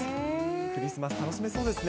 クリスマス、楽しめそうですね。